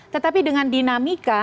tetapi dengan dinamika